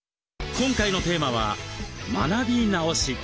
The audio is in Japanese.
今回のテーマは「学び直し」。